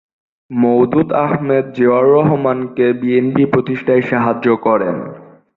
মওদুদ আহমেদ জিয়াউর রহমানকে বিএনপি প্রতিষ্ঠায় সাহায্য করেন।